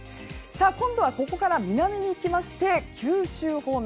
今度は、ここから南に行きまして九州方面。